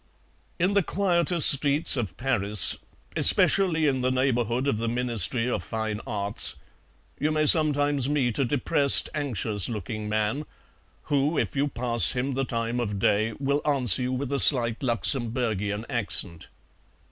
"In the quieter streets of Paris, especially in the neighbourhood of the Ministry of Fine Arts, you may sometimes meet a depressed, anxious looking man, who, if you pass him the time of day, will answer you with a slight Luxemburgian accent.